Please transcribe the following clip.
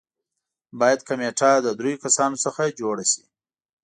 باید کمېټه د دریو کسانو څخه جوړه شي.